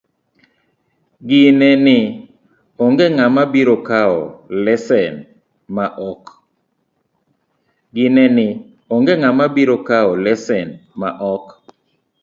Ginee ni onge ng'ama biro kawo lesen ma ok